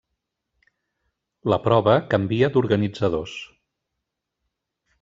La prova canvia d'organitzadors.